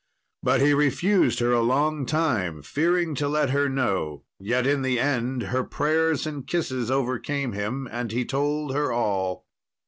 But he refused her a long time, fearing to let her know, yet in the end, her prayers and kisses overcame him, and he told her all.